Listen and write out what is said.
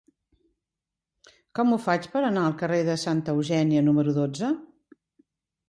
Com ho faig per anar al carrer de Santa Eugènia número dotze?